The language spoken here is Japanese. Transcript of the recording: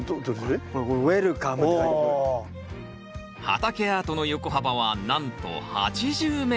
畑アートの横幅はなんと８０ｍ。